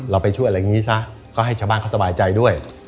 ไปช่วยอะไรอย่างนี้ซะก็ให้ชาวบ้านเขาสบายใจด้วย